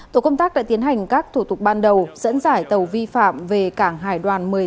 tổ công tác đã tiến hành các thủ tục ban đầu dẫn giải tàu vi phạm về cảng hải đoàn một mươi tám